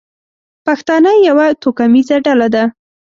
پښتانه یوه توکمیزه ډله ده.